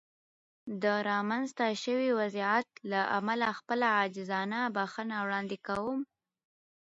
د رامنځته شوې وضعیت له امله خپله عاجزانه بښنه وړاندې کوم.